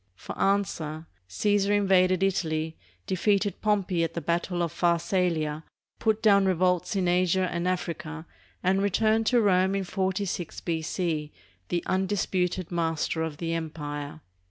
For answer, Caesar invaded Italy, defeated Pompey at the battle of Pharsalia, put down revolts in Asia and Africa, and returned to Rome in 46 B.C., the undisputed master of the empire.